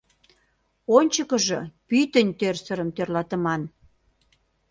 Ончыкыжо пӱтынь тӧрсырым тӧрлатыман».